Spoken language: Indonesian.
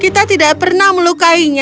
kita tidak pernah melukainya